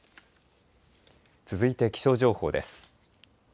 続いて気象情報です。